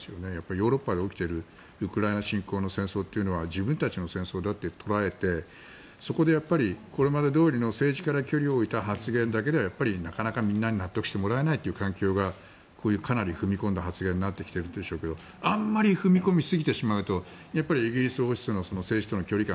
ヨーロッパで起きているウクライナ侵攻の戦争というのは自分たちの戦争だって捉えてそこでこれまでどおりの政治から距離を置いた発言だけではやっぱりなかなか、みんなに納得してもらえないという環境がこういうかなり踏み込んだ発言になってきているんでしょうけどあんまり踏み込みすぎてしまうとイギリス王室の政治との距離感